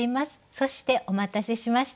そしてお待たせしました。